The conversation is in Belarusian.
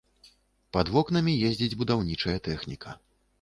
Пад вокнамі ездзіць будаўнічая тэхніка.